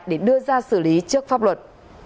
để đưa ra xử lý trước pháp luật